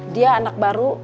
dia anak baru